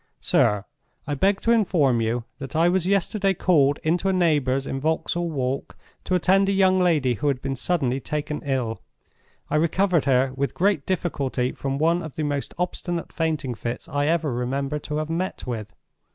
_ "SIR,—I beg to inform you that I was yesterday called into a neighbor's in Vauxhall Walk to attend a young lady who had been suddenly taken ill. I recovered her with great difficulty from one of the most obstinate fainting fits I ever remember to have met with.